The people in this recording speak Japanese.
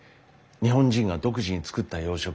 日本人が独自に作った洋食。